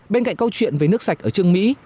bên cạnh câu chuyện về nước sạch ở trương mỹ